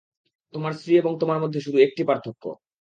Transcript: তোমার স্ত্রী এবং তোমার মধ্যে শুধু একটি পার্থক্য।